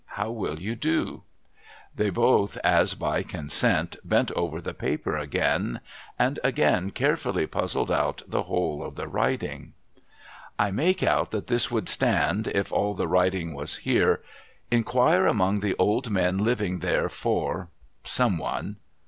How will you do ?' 'i'liey both, as by consent, bent over the paper ogain, and again carefully puzzled out the whole of the writing. HARD NAVIGATION 237 * I make out that this would stand, if all the writing was here, " Inquire among the old men living there, for "— some one.